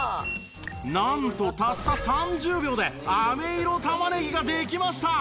なんとたった３０秒で飴色玉ねぎができました！